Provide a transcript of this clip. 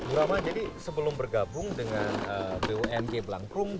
rama jadi sebelum bergabung dengan bumg blank room